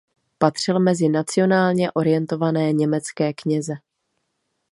Patřil mezi nacionálně orientované německé kněze.